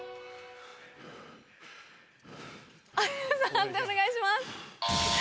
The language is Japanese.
判定お願いします。